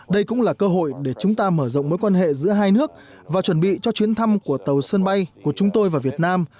đây cũng là cơ hội để chúng ta mở rộng mối quan hệ giữa hai nước và chuẩn bị cho chuyến thăm của tàu sân bay của chúng tôi và việt nam